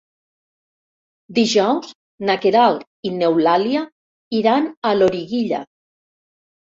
Dijous na Queralt i n'Eulàlia iran a Loriguilla.